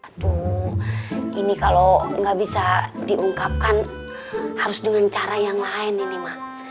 aduh ini kalo gak bisa diungkapkan harus dengan cara yang lain ini mah